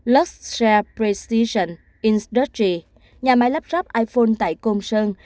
luxshareprecision in sturgey nhà máy lắp ráp iphone tại công sơn